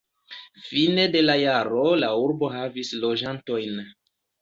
Fine de la jaro la urbo havis loĝantojn.